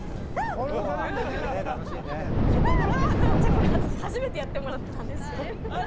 これ初めてやってもらったんですよ。